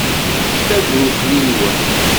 Ččet abrukli-nwen!